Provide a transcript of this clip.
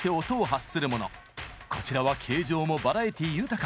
こちらは形状もバラエティー豊か。